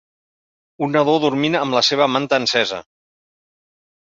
Un nadó dormint amb la seva manta encesa